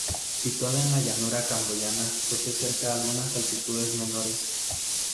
Situada en la llanura camboyana, posee cerca algunas altitudes menores.